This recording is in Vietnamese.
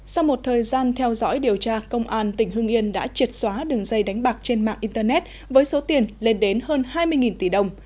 sau một thời gian theo dõi điều tra công an tỉnh hưng yên đã triệt xóa đường dây đánh bạc trên mạng internet với số tiền lên đến hơn hai mươi tỷ đồng